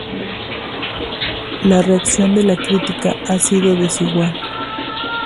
La reacción de la crítica ha sido desigual.